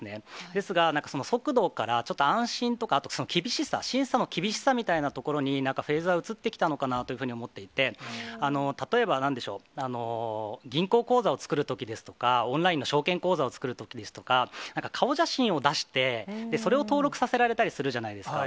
ですが、速度からちょっと安心とか、あと厳しさ、審査の厳しさみたいなところに、なんかフェーズが移ってきたのかなと思っていて、例えば、なんでしょう、銀行口座を作るときですとか、オンラインの証券口座を作るときですとか、なんか顔写真を出して、それを登録させられたりするじゃないですか。